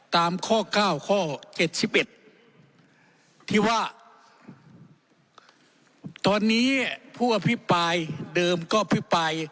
ตามข้อ๙ข้อ๗๑ที่ว่าตอนนี้ผู้อภิปรายเดิมก็พิปราย